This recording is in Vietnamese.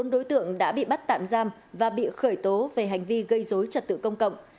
bốn đối tượng đã bị bắt tạm giam và bị khởi tố về hành vi gây dối trật tự công cộng